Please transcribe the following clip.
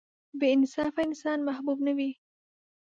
• بې انصافه انسان محبوب نه وي.